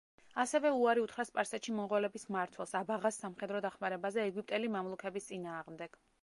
ასევე უარი უთხრა სპარსეთში მონღოლების მმართველს აბაღას სამხედრო დახმარებაზე ეგვიპტელი მამლუქების წინააღმდეგ.